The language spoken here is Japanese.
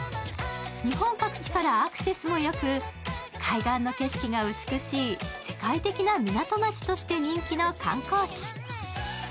日本各地からアクセスもよく、海岸の景色が美しい世界的な港町として人気の観光地。